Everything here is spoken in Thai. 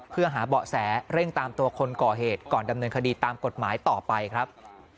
เพื่อหาเบาะแสเร่งตามตัวคนก่อเหตุก่อนดำเนินคดีตามกฎหมายต่อไปครับ